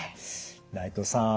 内藤さん